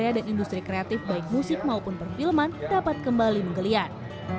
karya dan industri kreatif baik musik maupun perfilman dapat kembali menggeliat